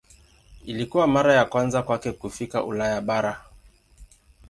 Ilikuwa mara ya kwanza kwake kufika Ulaya bara.